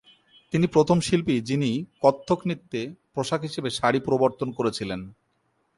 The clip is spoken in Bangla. তিনি প্রথম শিল্পী যিনি কত্থক নৃত্যে পোশাক হিসাবে "শাড়ি" প্রবর্তন করেছিলেন।